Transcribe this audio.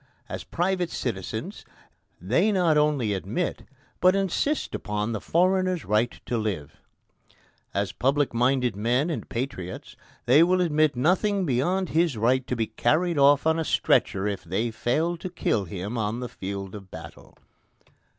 As private citizens they not only admit but insist upon the foreigner's right to live. As public minded men and patriots, they will admit nothing beyond his right to be carried off on a stretcher if they fail to kill him on the field of battle.